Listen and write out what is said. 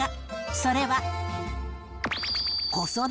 それは。